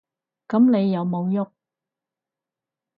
噉你有無郁？